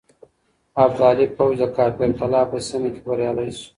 ابدالي پوځ د کافر قلعه په سيمه کې بريالی شو.